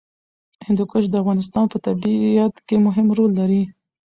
هندوکش د افغانستان په طبیعت کې مهم رول لري.